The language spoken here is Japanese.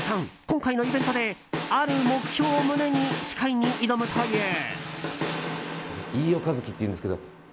今回のイベントである目標を胸に司会に挑むという。